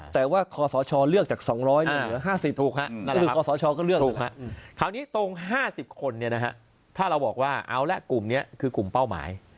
แต่ว่าคศเลือกจาก๒๐๐๕๐ถูกครับคราวนี้ตรง๕๐คนถ้าเราบอกว่าเอาละกลุ่มนี้คือกลุ่มเป้าหมาย